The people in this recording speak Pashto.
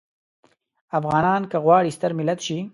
افغانان که غواړي ستر ملت شي.